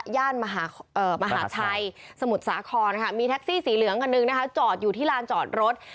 ย่านมหาชัยสมุทรศาครมีแท็กซี่สีเหลืองกันนึงจอดอยู่ที่ลานจอดรถ